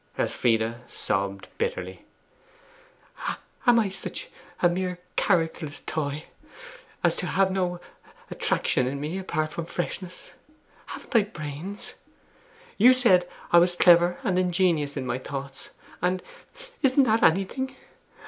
Elfride sobbed bitterly. 'Am I such a mere characterless toy as to have no attrac tion in me, apart from freshness? Haven't I brains? You said I was clever and ingenious in my thoughts, and isn't that anything?